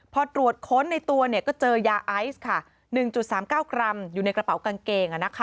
พอตรวจค้นในตัวก็เจอยาไอซ์ค่ะ๑๓๙กรัมอยู่ในกระเป๋ากางเกง